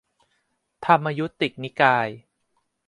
ธรรมยุติกนิกาย